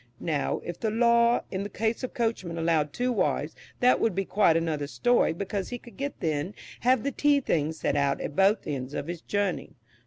Now, if the law in the case of coachmen allowed two wives, that would be quite another story, because he could then have the tea things set out at both ends of his journey.